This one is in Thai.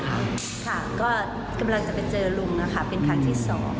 ค่ะก็กำลังจะไปเจอลุงนะคะเป็นครั้งที่๒